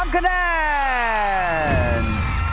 ๓คะแนน